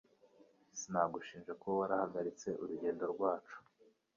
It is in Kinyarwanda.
Sinagushinja kuba warahagaritse urugendo rwacu.